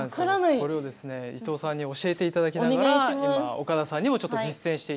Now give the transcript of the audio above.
これをですね伊東さんに教えていただきながら今岡田さんにもちょっと実践していただこうと思います。